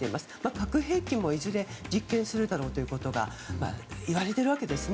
核兵器もいずれ実験するだろうということがいわれているわけですね。